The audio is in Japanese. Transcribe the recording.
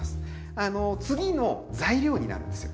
あの次の材料になるんですよ。